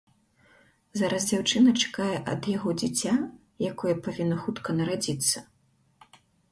Зараз дзяўчына чакае ад яго дзіця, якое павінна хутка нарадзіцца.